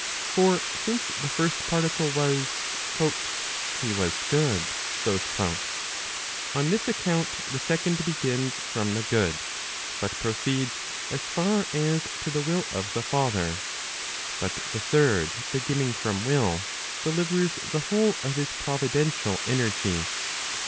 For since the first particle was, " he was good," on this account the second begins from the good, but proceeds as far as to the will of the father. But the third beginning from will, delivers the whole of his providential energy.